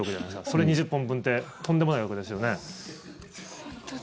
それ２０本分ってとんでもない額ですよね。